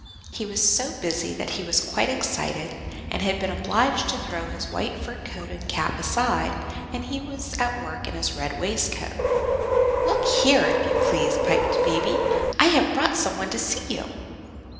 He was so busy that he was quite excited, and had been obliged to throw his white fur coat and cap aside, and he was at work in his red waistcoat. "Look here, if you please," piped Baby, "I have brought some one to see you."